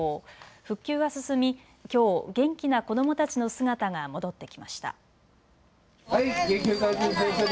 復旧が進み、きょう元気な子どもたちの姿が戻ってきました。